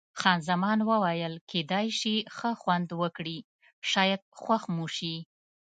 خان زمان وویل: کېدای شي ښه خوند وکړي، شاید خوښ مو شي.